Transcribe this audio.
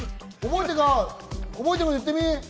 覚えてること言ってみ？